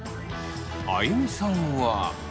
あゆみさんは。